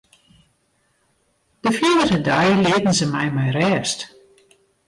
De fierdere dei lieten se my mei rêst.